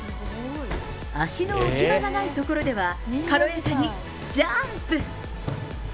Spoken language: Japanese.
足の置き場がない所では、軽やかにジャンプ。